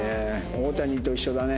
大谷と一緒だね。